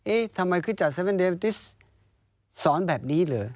เอ๊ะทำไมคริสตจักรเซเวนเดเวนติสสอนแบบนี้เหรอ